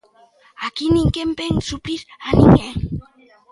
Aquí ninguén vén suplir a ninguén.